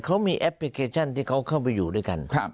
เขามีแอปพลิเคชันที่เขาเข้าไปอยู่ด้วยกัน